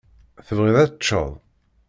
Tebɣid ad teččeḍ?